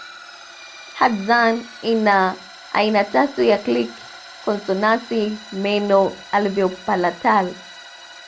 Hadzane ina aina tatu ya click konsonanti meno alveopalatal